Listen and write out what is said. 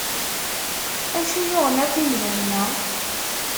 Acu yuɣen akk imdanen-a?